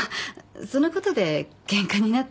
そのことでケンカになって。